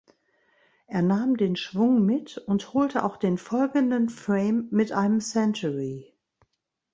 Er nahm den Schwung mit und holte auch den folgenden Frame mit einem Century.